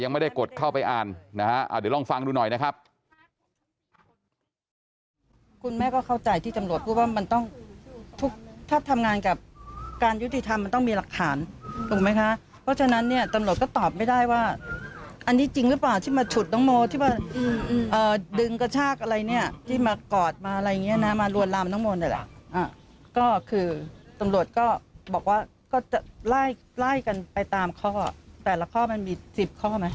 ไม่ได้กดเข้าไปอ่านนะฮะเดี๋ยวลองฟังดูหน่อยนะครับ